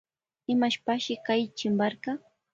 Imashpashi kay chimparka.